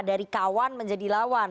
dari kawan menjadi lawan